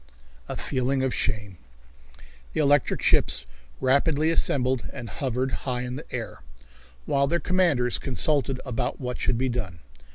A Feeling of Shame. The electric ships rapidly assembled and hovered high in the air, while their commanders consulted about what should be done.